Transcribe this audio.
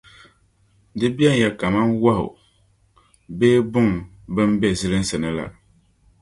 Di benya kaman wɔhu bee buŋa bɛn be zilinsi ni la.